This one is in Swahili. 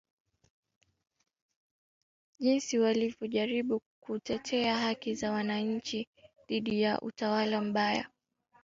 jinsi walivyojaribu kutetea haki za wananchi dhidi ya utawala mbaya